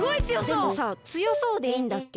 でもさつよそうでいいんだっけ。